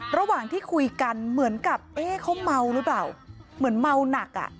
ระหว่างที่คุยกันเหมือนกับเอ๊ะเขาเมาหรือเปล่าเหมือนเมาหนักอ่ะ